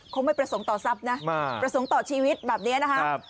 ไม่ประสงค์ต่อทรัพย์นะประสงค์ต่อชีวิตแบบนี้นะครับ